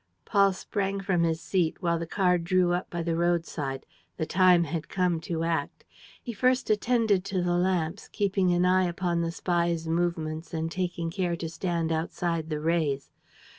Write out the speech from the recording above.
Paul sprang from his seat, while the car drew up by the road side. The time had come to act. He first attended to the lamps, keeping an eye upon the spy's movements and taking care to stand outside the rays.